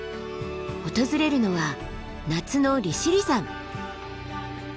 訪れるのは夏の利尻山。